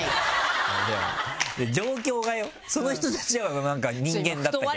状況がよその人たちはなんか人間だったけど。